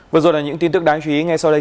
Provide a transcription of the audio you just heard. vừa rồi là những tin tức đáng chú ý ngay sau đây